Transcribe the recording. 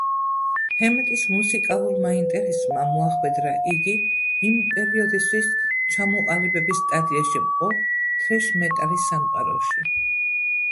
ჰემეტის მუსიკალურმა ინტერესმა მოახვედრა იგი იმ პერიოდისთვის ჩამოყალიბების სტადიაში მყოფ თრეშ მეტალის სამყაროში.